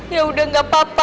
ya udah gak apa apa